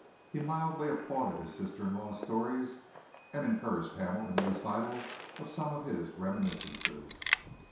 He mildly applauded his sister in law's stories, and encouraged Hamel in the recital of some of his reminiscences.